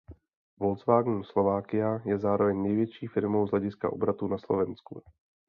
Volkswagen Slovakia je zároveň největší firmou z hlediska obratu na Slovensku.